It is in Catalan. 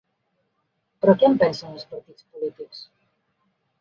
Però què en pensen els partits polítics?